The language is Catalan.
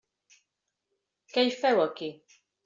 Què hi feu aquí?